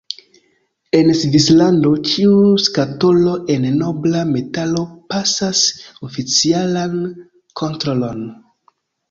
En Svislando, ĉiu skatolo el nobla metalo pasas oficialan kontrolon.